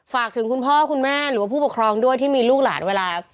ฝากถึงคุณพ่อคุณแม่หรือว่าผู้ปกครองด้วยที่มีลูกหลานเวลา